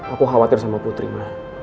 aku khawatir sama putri mah